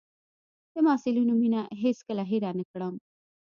د محصلینو مينه هېڅ کله هېره نه کړم.